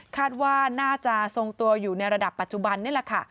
คาดว่าน่าจะทรงตัวอยู่ในระดับปัจจุบันนี่แหละค่ะ